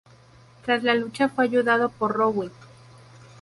Tras la lucha, fue ayudado por Rowe.